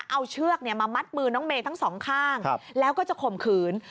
เอาเชือกมามัดมือน้องเมย์ทั้งสองข้างแล้วก็จะข่มขืน